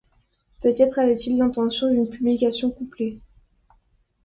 Peut-être avait-il l'intention d'une publication couplée.